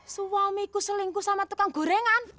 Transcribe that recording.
suamiku selingkuh sama tukang gorengan